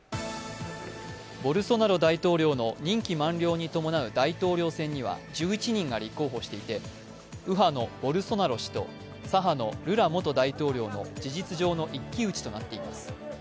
ボルソナロ大統領の任期満了に伴う大統領選には１１人が立候補していて、右派のボルソナロ氏と左派のルラ元大統領の事実上の一騎打ちとなっています。